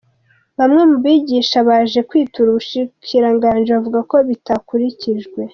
Bamwe mu bigisha baje kwitura ubushikiranganji bavuga ko bitakurikijwe.